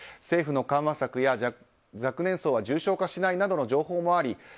政府の緩和策や若年層は重症化しないなどの情報もあり